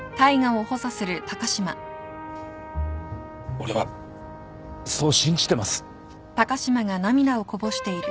俺はそう信じてます。